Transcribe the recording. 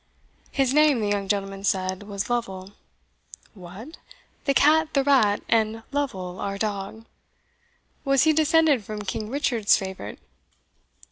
His name, the young gentleman said, was Lovel. "What! the cat, the rat, and Lovel our dog? Was he descended from King Richard's favourite?"